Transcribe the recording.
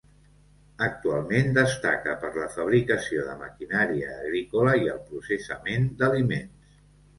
Actualment destaca per la fabricació de maquinària agrícola i el processament d'aliments.